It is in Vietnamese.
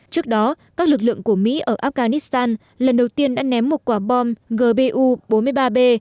trước đó các lực lượng của mỹ ở afghanistan lần đầu tiên đã ném một quả bom gbu bốn mươi ba b